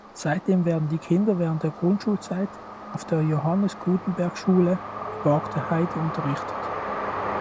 Seitdem werden die Kinder während der Grundschulzeit auf der Johannes-Gutenberg-Schule in Bargteheide unterrichtet.